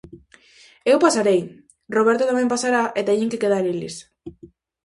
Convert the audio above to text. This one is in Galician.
Eu pasarei, Roberto tamén pasará e teñen que quedar eles.